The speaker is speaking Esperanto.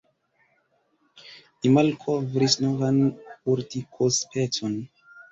Li malkovris novan urtikospecon.